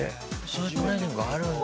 そういうトレーニングあるんだ。